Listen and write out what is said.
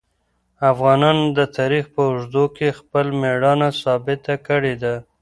افغانانو د تاریخ په اوږدو کې خپل مېړانه ثابته کړې ده.